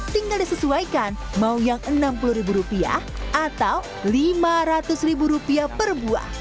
tinggal disesuaikan mau yang rp enam puluh atau lima ratus rupiah per buah